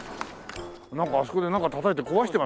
なんかあそこでなんかたたいて壊してますよ。